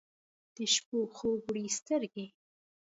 د شپو خوب وړي سترګې